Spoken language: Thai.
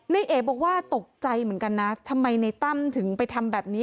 เอ๋บอกว่าตกใจเหมือนกันนะทำไมในตั้มถึงไปทำแบบนี้